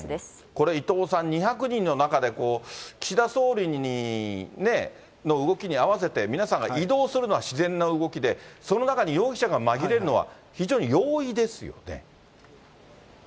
これ、伊藤さん、２００人の中で、岸田総理の動きに合わせて皆さんが移動するのは自然な動きで、その中に容疑者がまぎれるのは非常に容易ですよね？